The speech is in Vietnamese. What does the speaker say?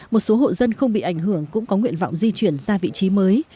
một số hộ dân không bị ảnh hưởng cũng có nguyện vọng di chuyển ra vị trí mới